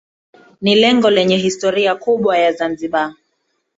Ni jengo lenye historia kubwa ya Zanzibar